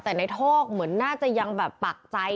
แต่ในโทกเหมือนน่าจะยังแบบปักใจ